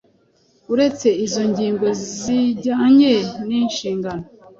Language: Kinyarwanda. Uretse izo ngingo zijyanye n'inshingano